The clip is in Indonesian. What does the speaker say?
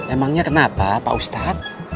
emangnya kenapa pak ustadz